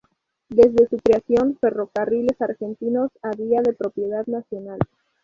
Desde su creación, Ferrocarriles Argentinos había de propiedad nacional".